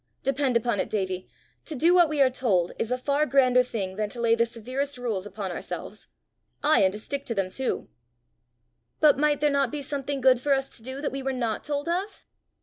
Depend upon it, Davie, to do what we are told is a far grander thing than to lay the severest rules upon ourselves ay, and to stick to them, too!" "But might there not be something good for us to do that we were not told of?"